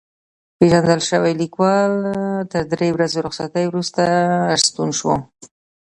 پېژندل شوی لیکوال تر درې ورځو رخصتۍ وروسته راستون شو.